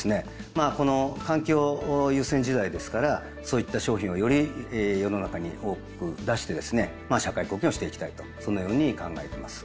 まあこの環境優先時代ですからそういった商品をより世の中に多く出してですね社会貢献をしていきたいとそのように考えてます。